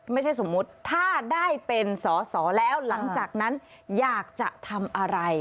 ไม่ใช่สมมุติถ้าได้เป็นสอสอแล้วหลังจากนั้นอยากจะทำอะไร